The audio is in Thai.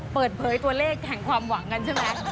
เปิดเผยตัวเลขแห่งความหวังกันใช่ไหม